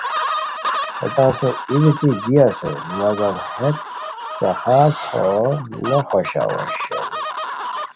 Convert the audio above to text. ہیتان سوم ای بیتی بی اسور، مگم ہیت کیہ خاص ہو نوخوشئیاؤ اوشونی